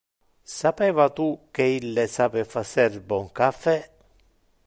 Sapeva tu que ille sape facer bon caffe?